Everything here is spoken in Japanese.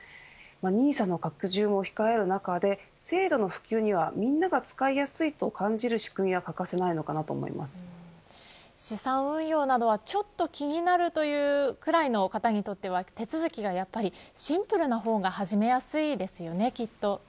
ＮＩＳＡの拡充も控える中で制度の普及にはみんなが使いやすいと感じる仕組みは資産運用などはちょっと気になるくらいの方にとっては手続きがやっぱりシンプルな方が始めやすいですよね、きっと。